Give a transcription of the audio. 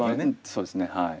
そうですねはい。